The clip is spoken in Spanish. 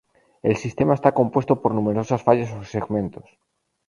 El sistema está compuesto por numerosas fallas o segmentos.